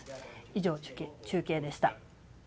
以上、中継でした。